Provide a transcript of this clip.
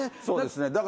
そうですね。